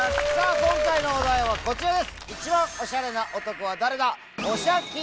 今回のお題はこちらです！